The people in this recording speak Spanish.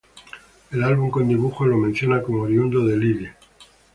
Un álbum con dibujos lo menciona como oriundo de Lille.